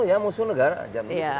ini kamu musuh negara